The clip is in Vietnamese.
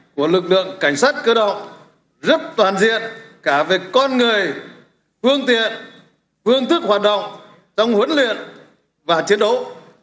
của lực lượng cảnh sát cơ động rất toàn diện cả về con người phương tiện phương thức hoạt động trong huấn luyện và chiến đấu